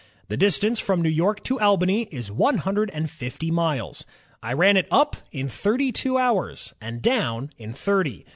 The distance from New York to Albany is one hundred and fifty miles. I ran it up in thirty two hours and down in thirty.